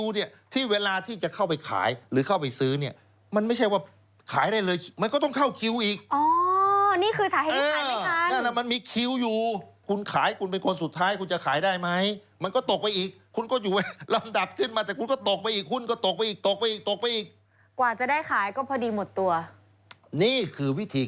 เดี๋ยวซื้อราคาแพงกว่านี้นี่คือธรรมชาติของหุ้นก็เช่นเดียวกับสินค้าประเภทอื่น